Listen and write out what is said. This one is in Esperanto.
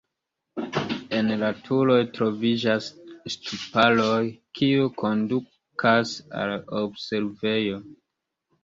En la turoj troviĝas ŝtuparoj, kiuj kondukas al la observejo.